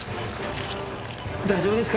大丈夫ですか？